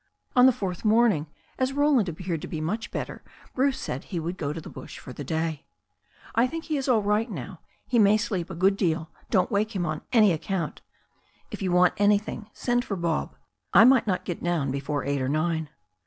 On the fourth morning, as Roland appeared to be much better, Bruce said he would go to the bush for the day. "I think he is all right now. He may^ sleep a good deal. Don't wake him on any account. If you want anything, send for Bob. I might not get down before eight or nine."